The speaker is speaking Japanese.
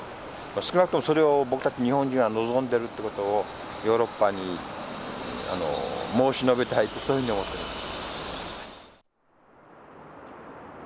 少なくともそれを僕たち日本人は望んでるってことをヨーロッパに申し述べたいってそういうふうに思ってます。